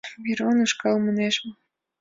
«Мирон ушкал» манеш мо?